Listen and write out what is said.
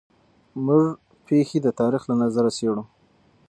موږ پېښې د تاریخ له نظره څېړو.